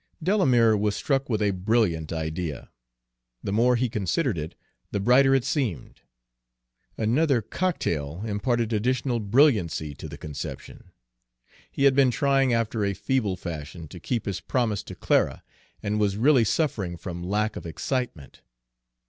Delamere was struck with a brilliant idea. The more he considered it, the brighter it seemed. Another cocktail imparted additional brilliancy to the conception. He had been trying, after a feeble fashion, to keep his promise to Clara, and was really suffering from lack of excitement.